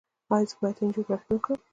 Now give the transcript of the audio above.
ایا زه باید انجیوګرافي وکړم؟